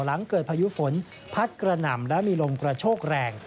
หลังเกิดพายุฝนพัดกระหน่ำและมีลมกระโชกแรง